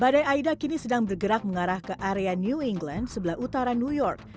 badai aida kini sedang bergerak mengarah ke area new england sebelah utara new york